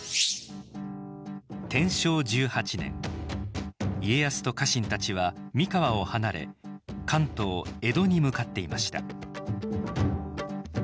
天正１８年家康と家臣たちは三河を離れ関東江戸に向かっていました